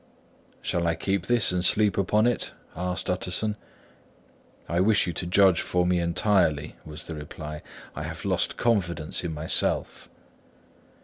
"Shall I keep this and sleep upon it?" asked Utterson. "I wish you to judge for me entirely," was the reply. "I have lost confidence in myself."